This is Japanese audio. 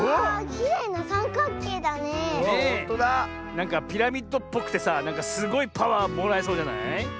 なんかピラミッドっぽくてさすごいパワーもらえそうじゃない？